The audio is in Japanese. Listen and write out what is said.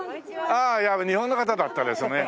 ああ日本の方だったですね。